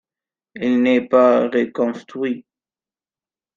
Il n'est pas reconstruit.